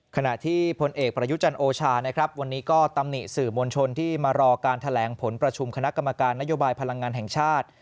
ขณะที่พลเอกประยุจันทร์โอชานะครับวันนี้ก็ตำหนิสื่อมวลชนที่มารอการแถลงผลประชุมคณะกรรมการนโยบายพลังงานแห่งชาติ